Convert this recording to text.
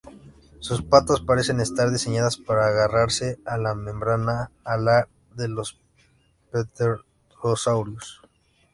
Sus patas parecen estar diseñadas para agarrarse a la membrana alar de los pterosaurios.